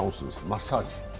マッサージ？